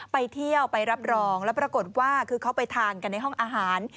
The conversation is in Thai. ไปเที่ยวไปรับรองแล้วปรากฏว่าคือเขาไปทานกันในห้องอาหาร